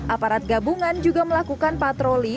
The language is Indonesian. aparat gabungan juga melakukan patroli